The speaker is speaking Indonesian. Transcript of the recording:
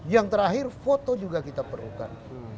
yang terakhir foto juga kita perlukan